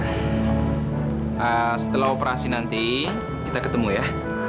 nah setelah operasi nanti kita ketemu ya